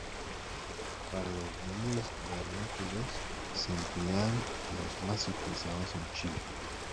Para los nombres vernáculos, se emplean los más utilizados en Chile.